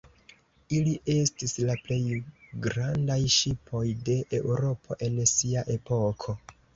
Ili estis la plej grandaj ŝipoj de Eŭropo en sia epoko.